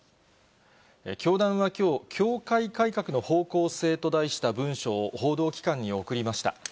教団はきょう、教会改革の方向性と題した文書を報道機関に送りました。